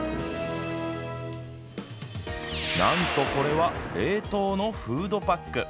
何とこれは冷凍のフードパック。